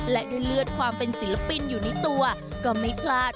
และด้วยเลือดความเป็นศิลปินอยู่ในตัวก็ไม่พลาด